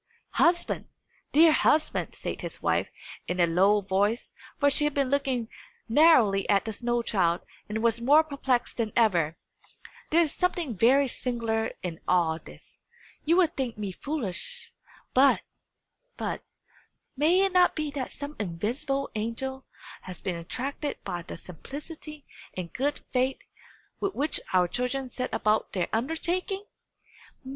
"Husband! dear husband!" said his wife, in a low voice for she had been looking narrowly at the snow child, and was more perplexed than ever there is something very singular in all this. "You will think me foolish but but may it not be that some invisible angel has been attracted by the simplicity and good faith with which our children set about their undertaking?